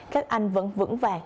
các anh vẫn vững vàng